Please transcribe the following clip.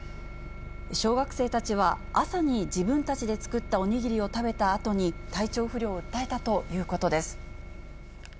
小学生たちは、朝に自分たちで作ったお握りを食べたあとに、体調不良を訴えたということです。